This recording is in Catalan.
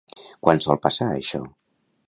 Quan sol passar això?